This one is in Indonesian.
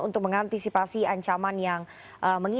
untuk mengantisipasi ancaman